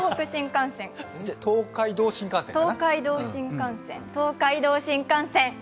東海新幹線東海道新幹線！